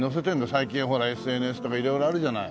最近ほらＳＮＳとか色々あるじゃない。